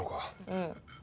うん。